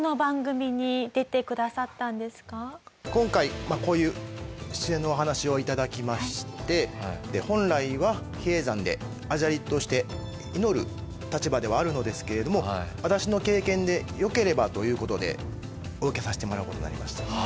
今回こういう出演のお話を頂きまして本来は比叡山で阿闍梨として祈る立場ではあるのですけれども私の経験でよければという事でお受けさせてもらう事になりました。